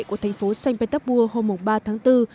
của thành phố sanh petepur hôm ba tháng bốn